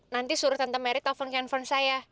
nanti suruh tante merit telfon telfon saya